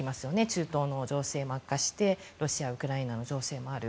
中東の情勢も悪化してロシア・ウクライナ情勢もある。